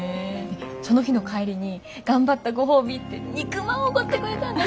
その日の帰りに頑張ったご褒美って肉まんおごってくれたんですよ！